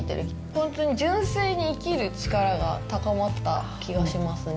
本当に純粋に生きる力が高まった気がしますね。